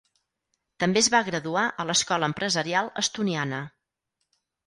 També es va graduar a l'Escola Empresarial Estoniana.